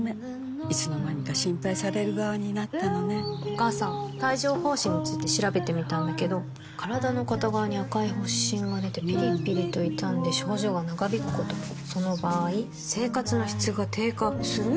お母さん帯状疱疹について調べてみたんだけど身体の片側に赤い発疹がでてピリピリと痛んで症状が長引くこともその場合生活の質が低下する？